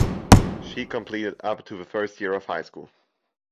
She completed up to the first year of high school.